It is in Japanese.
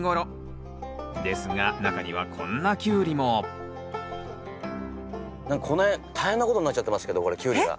ですが中にはこんなキュウリもこの辺大変なことになっちゃってますけどこれキュウリが。